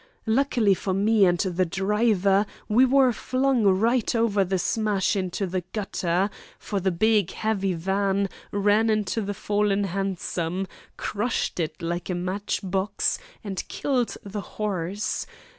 Luckily for me and the driver, we were flung right over the smash into the gutter, for the big, heavy van ran into the fallen hansom, crushed it like a matchbox, and killed the horse.